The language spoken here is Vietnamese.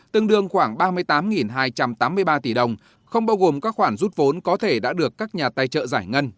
tương đương khoảng ba mươi tám hai trăm tám mươi ba tỷ đồng không bao gồm các khoản rút vốn có thể đã được các nhà tài trợ giải ngân